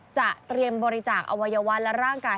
เตรียมบริจาคอวัยวะและร่างกาย